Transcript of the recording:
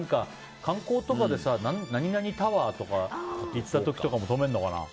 観光とかで何々タワーとか行った時とかも止めるのかな。